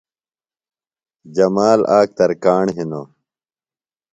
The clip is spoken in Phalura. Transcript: جمال آک ترکاݨ ہِنوۡ۔